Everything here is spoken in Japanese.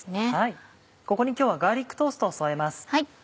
ここに今日はガーリックトーストを添えます。